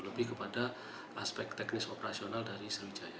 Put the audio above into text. lebih kepada aspek teknis operasional dari sriwijaya